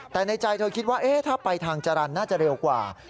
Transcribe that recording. แต่ในใจเธอคิดว่าถ้าไปทางจรรย์น่าจะเร็วกว่า